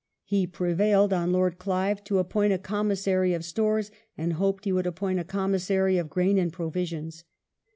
He prevailed on Lord Clive to appoint a commissary of stores, and hoped he would appoint a commissary of grain and provisions.